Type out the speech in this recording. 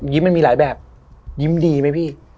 ยิ้มมันมีหลายแบบยิ้มดีมั้ยพี่